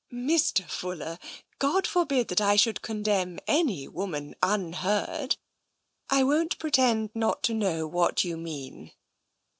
" Mr. Fuller, God forbid that I should condemn any woman unheard. I won't pretend not to know what you mean."